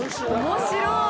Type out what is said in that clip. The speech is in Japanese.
面白い！